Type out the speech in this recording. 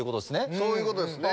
そういうことですね。